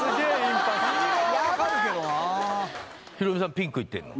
ピンクいってんの？